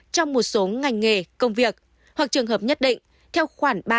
trong một số ngành nghề công việc hoặc trường hợp nhất định theo khoản ba